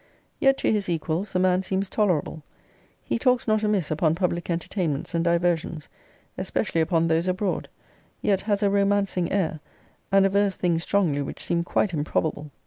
Yet to his equals the man seems tolerable: he talks not amiss upon public entertainments and diversions, especially upon those abroad: yet has a romancing air, and avers things strongly which seem quite improbable.